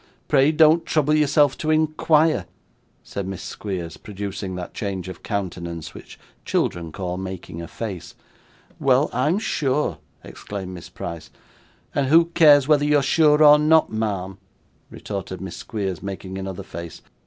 Pray don't trouble yourself to inquire,' said Miss Squeers, producing that change of countenance which children call making a face. 'Well, I'm sure!' exclaimed Miss Price. 'And who cares whether you are sure or not, ma'am?' retorted Miss Squeers, making another face.